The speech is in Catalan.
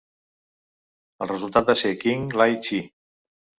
El resultat va ser King Ly Chee.